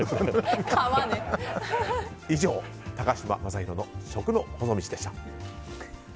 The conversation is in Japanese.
以上高嶋政宏の食の細道でした。